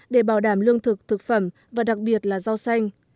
để bảo đảm lương thực thực phẩm và đặc biệt là rau xanh